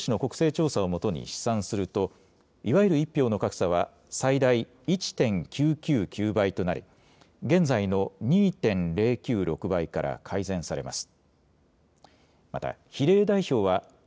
この区割りをおととしの国勢調査をもとに試算すると、いわゆる１票の格差は最大１．９９９倍となり、現在の２．０９６倍から改善されます。